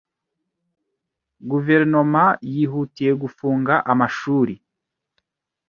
Guverinoma yihutiye gufunga amashuri